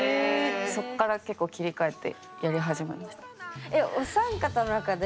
そっから結構切り替えてやり始めました。